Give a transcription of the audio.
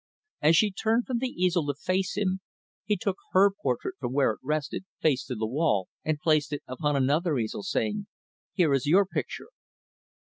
As she turned from the easel to face him, he took her portrait from where it rested, face to the wall; and placed it upon another easel, saying, "Here is your picture."